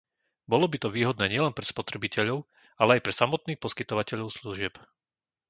Bolo by to výhodné nielen pre spotrebiteľov, ale aj pre samotných poskytovateľov služieb.